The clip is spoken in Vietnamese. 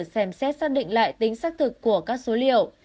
xem xét xác định lại tính xác thực của các số liệu